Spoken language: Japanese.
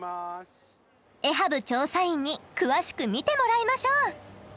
エハブ調査員に詳しく見てもらいましょう！